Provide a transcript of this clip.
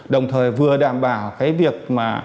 đồng thời vừa đảm bảo việc